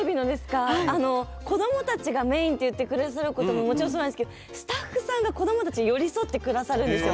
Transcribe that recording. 子どもたちがメインというのももちろんそうなんですけどスタッフさんが子どもたちに寄り添ってくださるんですよ。